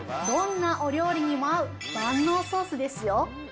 どんなお料理にも合う万能ソースですよ。